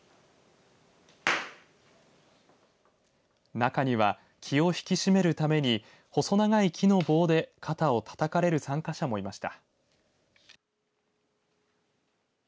中には、気を引き締めるために細長い木の棒で肩をたたかれる参加者もいました。